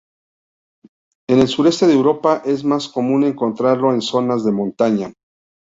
En el sureste de Europa es más común encontrarlo en zonas de montaña.